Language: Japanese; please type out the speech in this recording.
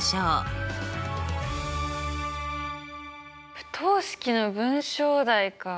不等式の文章題かあ。